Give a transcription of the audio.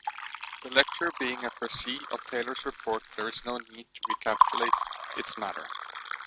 The lecture being a précis of Taylor's report there is no need to recapitulate its matter.